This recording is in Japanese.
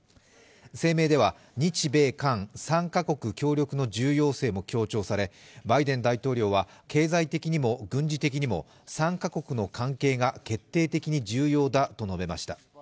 声明では日米韓３カ国協力の重要性も強調されバイデン大統領は、経済的にも軍事的にも３カ国の関係が決定的に重要だと述べました。